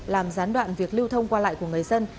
làm gián đoạn việc lưu thông qua lại của người dân